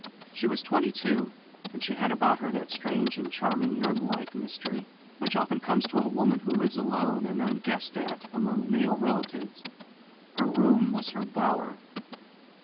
She was twenty two, and she had about her that strange and charming nunlike mystery which often comes to a woman who lives alone and unguessed at among male relatives. Her room was her bower.